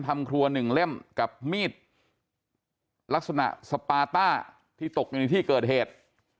ทำครัวหนึ่งเล่มกับมีดลักษณะสปาต้าที่ตกอยู่ในที่เกิดเหตุ